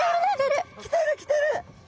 来てる来てる！